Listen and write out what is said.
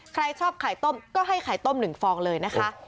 ใครชอบไข่ต้มก็ให้ไข่ต้ม๑ฟองเลยนะคะ